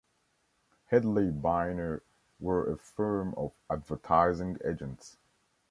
Hedley Byrne were a firm of advertising agents.